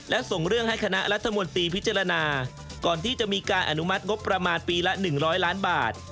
และส่งเรื่องให้คณะรัฐมนตรีพิจารณาก่อนที่จะมีการอนุมัติงบประมาณปีละ๑๐๐ล้านบาท